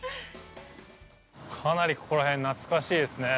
かなり、ここら辺、懐かしいですね。